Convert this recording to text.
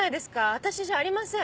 私じゃありません。